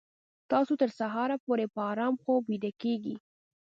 تاسو تر سهاره پورې په ارام خوب ویده کیږئ